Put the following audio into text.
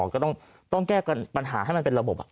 ก็ต้องแก้ปัญหาให้มันเป็นระบบ